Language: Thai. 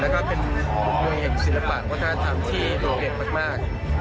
และก็เป็นมุมเหตุศิลปะวัฒนธรรมที่โดดเด็ดมาก